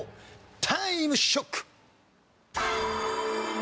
タイムショック！